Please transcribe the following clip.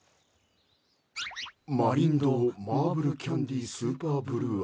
「マリン堂マーブル・キャンディ・スーパーブルー味。